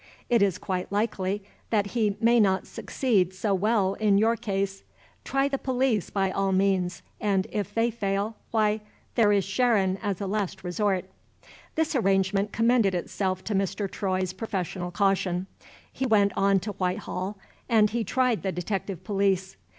It is quite likely that he may not succeed so well in your case. Try the police, by all means; and, if they fail, why, there is Sharon as a last resort." This arrangement commended itself to Mr. Troy's professional caution. He went on to Whitehall, and he tried the detective police.